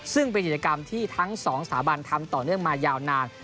ซึ่งเป็นกิจกรรมที่ทั้งสองสถาบันทำต่อเนื่องมายาวนาน